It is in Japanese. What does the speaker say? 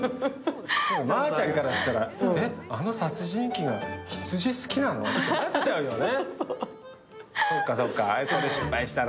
でも、まーちゃんからしたら、あの殺人鬼が羊好きなのってなっちゃうよね。